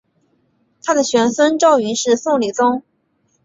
他的玄孙赵昀是宋理宗。